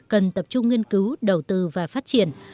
cần tập trung nghiên cứu đầu tư và phát triển